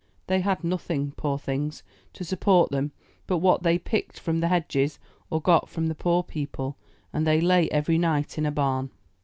They had nothing, poor things, to support them but what they picked from the hedges, or got from the poor people, and they lay every night in a barn.